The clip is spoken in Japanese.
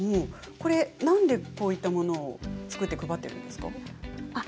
なんでこういったものを作って配っているんですか？